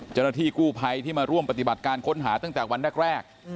เจ้าหน้าที่กู้ภัยที่มาร่วมปฏิบัติการค้นหาตั้งแต่วันแรก